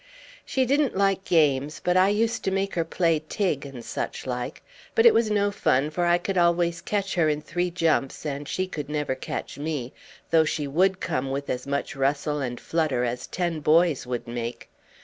She didn't like games, but I used to make her play "tig" and such like; but it was no fun, for I could always catch her in three jumps, and she could never catch me, though she would come with as much rustle and flutter as ten boys would make.